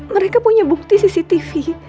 mereka punya bukti cctv